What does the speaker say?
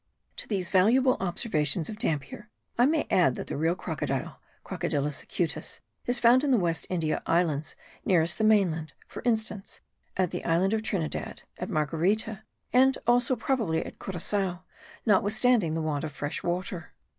To these valuable observations of Dampier I may add that the real crocodile (Crocodilus acutus) is found in the West India Islands nearest the mainland, for instance, at the island of Trinidad; at Marguerita; and also, probably, at Curacao, notwithstanding the want of fresh water.